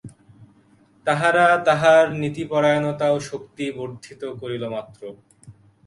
তাহারা তাঁহার নীতিপরায়ণতা ও শক্তি বর্ধিত করিল মাত্র।